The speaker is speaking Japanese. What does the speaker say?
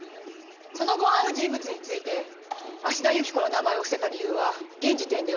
その後会う人物について芦田雪子の名前を伏せた理由は現時点では不明。